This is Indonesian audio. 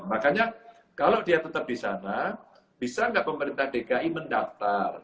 makanya kalau dia tetap di sana bisa nggak pemerintah dki mendaftar